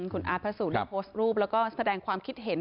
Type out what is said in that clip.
คุณอาร์ตพระศูนย์ได้โพสต์รูปแล้วก็แสดงความคิดเห็น